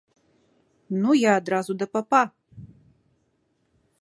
Ну, я адразу да папа.